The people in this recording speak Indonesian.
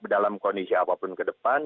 dalam kondisi apapun ke depan